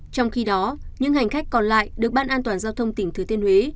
trong khi đó những hành khách còn lại được ban an toàn giao thông tỉnh thừa thiên huế